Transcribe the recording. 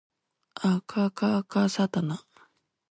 あかかかさたな